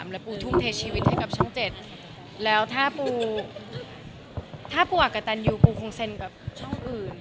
แล้วปูทุ่มเทชีวิตให้กับช่องเจ็ดแล้วถ้าปูถ้าปูกับตันยูปูคงเซ็นกับช่องอื่น